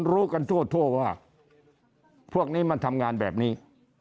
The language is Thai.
รู้กันทั่วว่าพวกนี้มันทำงานแบบนี้